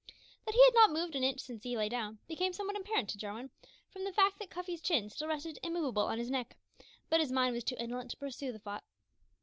That he had not moved an inch since he lay down, became somewhat apparent to Jarwin from the fact that Cuffy's chin still rested immovable on his neck, but his mind was too indolent to pursue the thought.